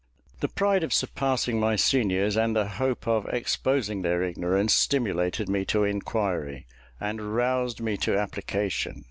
The pride of surpassing my seniors, and the hope of exposing their ignorance, stimulated me to inquiry, and roused me to application.